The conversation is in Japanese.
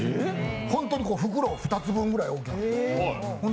本当に袋２つ分ぐらい、大きな袋。